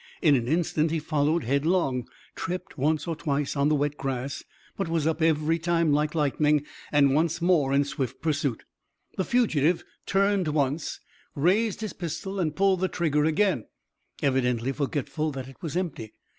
In an instant he followed headlong, tripped once or twice on the wet grass, but was up every time like lightning, and once more in swift pursuit. The fugitive turned once, raised his pistol and pulled the trigger again, evidently forgetful that it was empty.